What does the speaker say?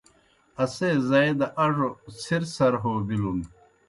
اسے زائی دہ اڙوْ څِھرڅَھر ہو بِلُن۔